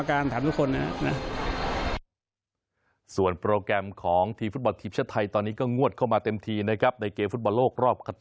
อันนี้ไม่รู้ต้องถามนายก